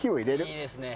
いいですね。